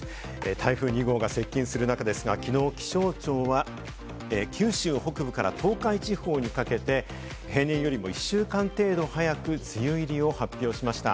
台風２号が接近する中ですが、きのう気象庁は、九州北部から東海地方にかけて平年よりも１週間程度早く梅雨入りを発表しました。